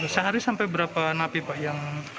sehari sampai berapa napi pak yang